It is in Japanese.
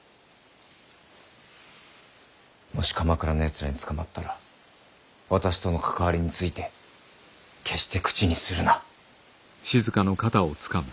もし鎌倉のやつらに捕まったら私との関わりについて決して口にするな。